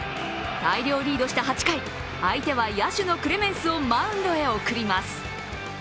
大量リードした８回、相手は野手のクレメンスをマウンドへ送ります。